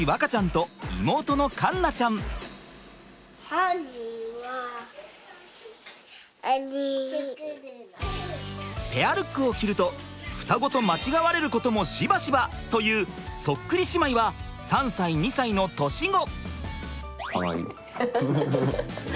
今回登場するのはペアルックを着ると双子と間違われることもしばしば！というそっくり姉妹は３歳２歳の年子！